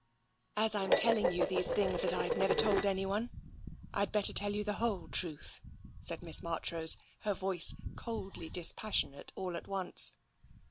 " As I'm telling you these things that I've never told anyone, I'd better tell you the whole truth," said Miss Marchrose, her voice coldly dispassionate all at once.